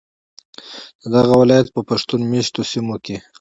ددغه ولایت په پښتون میشتو سیمو کې